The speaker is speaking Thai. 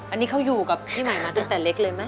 อันนี้เขาอยู่กับพี่ใหม่มาตั้งแต่เล็กเลยไหม